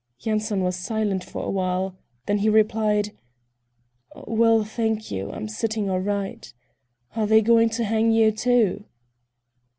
Yanson was silent for awhile, then he replied: "Well, thank you. I'm sitting all right. Are they going to hang you too?"